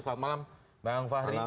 selamat malam bang fahri